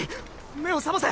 目を覚ませ！